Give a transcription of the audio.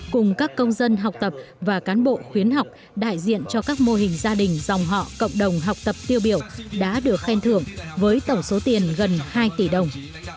cùng các công dân học tập và cán bộ khuyến học đại diện cho các mô hình gia đình dòng họ cộng đồng học tập tiêu biểu đã được khen thưởng với tổng số tiền gần hai tỷ đồng